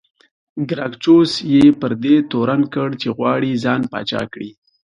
ګراکچوس یې پر دې تورن کړ چې غواړي ځان پاچا کړي